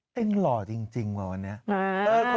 เต้นหล่อจริงมาวันนี้